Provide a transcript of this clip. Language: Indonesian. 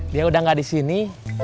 dia udah gak di sini